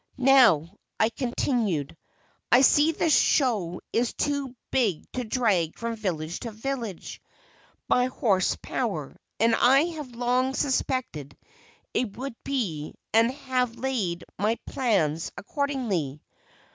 "Now," I continued, "I see the show is too big to drag from village to village by horse power, and I have long suspected it would be, and have laid my plans accordingly.